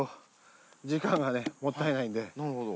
なるほど。